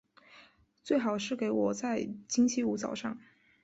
最好是给我在星期五早上